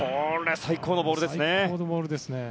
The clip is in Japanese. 最高のボールですね。